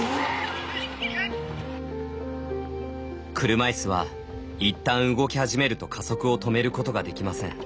車いすはいったん動き始めると加速を止めることができません。